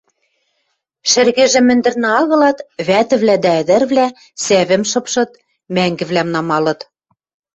Шӹргӹжӹ мӹндӹрны агылат, вӓтӹвлӓ дӓ ӹдӹрвлӓ сӓвӹм шыпшыт, мӓнгӹвлӓм намалыт.